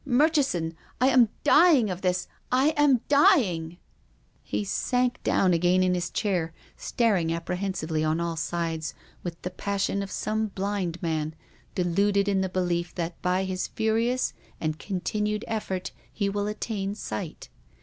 Murchison, I am dying of this, I am dyin^;." 33^ TONGUES OF CONSCIENCE. He sank down again in his chair, staring appre hensively on all sides, with the passion of some blind man, deluded in the belief that by his furi ous and continued effort he will attain sight.